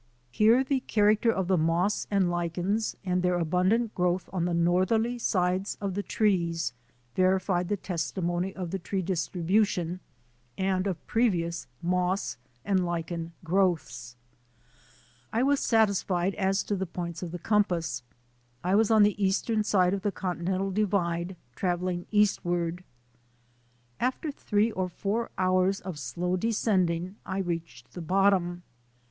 Here the character of the moss and lichens and their abundant growth on the northerly sides of the trees verified the testimony of the tree distribution and of previous moss and lichen growths. I was satisfied as to the points io THE ADVENTURES OF A NATURE GUIDE of the compass. I was on the extern side of the Continental Divide travelling eastward. After three or lour hours of slow descending I reached the bottom.